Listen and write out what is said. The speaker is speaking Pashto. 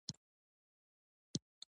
بزګر د لمر دوست دی